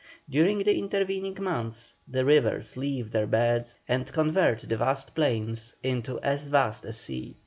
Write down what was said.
During the intervening months, the rivers leave their beds and convert the vast plain into as vast a sea.